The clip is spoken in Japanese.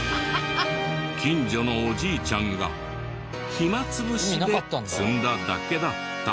近所のおじいちゃんが暇潰しで積んだだけだった。